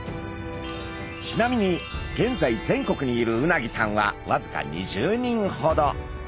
ちなみに現在全国にいる鰻さんはわずか２０人ほど。